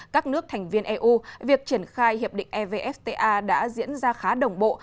các nước thành viên eu việc triển khai hiệp định evfta đã diễn ra khá đồng bộ